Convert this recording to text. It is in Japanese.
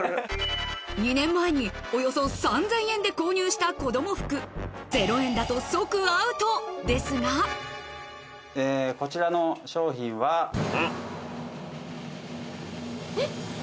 ２年前におよそ３０００円で購入した子供服０円だと即アウトですがこちらの商品は。え？